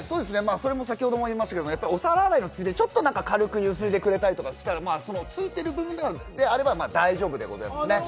それも先程言いましたけど、お皿洗いのついででちょっと軽くゆすいでくれたりしたら、そのついている部分であれば、大丈夫でございます。